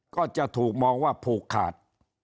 ก็จะถูกมองว่าผูกขาด